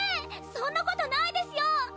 そんなことないですよ！